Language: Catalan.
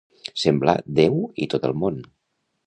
Semblar Déu i tot el món.